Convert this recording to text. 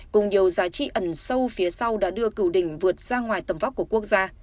cùng nhiều giá trị ẩn sâu phía sau đã đưa cựu địch vượt ra ngoài tầm vóc của quốc gia